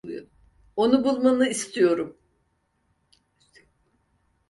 Onu bulmanı istiyorum.